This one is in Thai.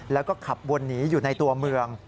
แล้วก็ขับวนหนีอยู่ในตัวเมือง